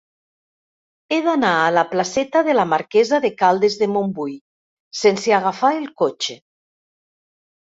He d'anar a la placeta de la Marquesa de Caldes de Montbui sense agafar el cotxe.